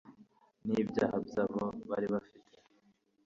n'ibyaha byabo bari bafite